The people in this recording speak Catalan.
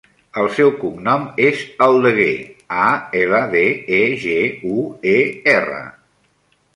El seu cognom és Aldeguer: a, ela, de, e, ge, u, e, erra.